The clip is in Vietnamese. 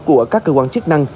của các cơ quan chức năng